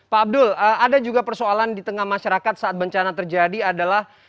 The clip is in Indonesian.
pak abdul ada juga persoalan di tengah masyarakat saat bencana terjadi adalah